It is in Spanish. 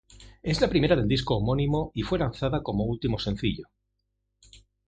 Es la primera del disco "homónimo" y fue lanzada como último sencillo.